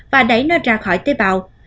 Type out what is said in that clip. và đẩy nó ra khỏi tế bào